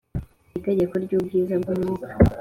itegeko ry ubwiza bw umwuka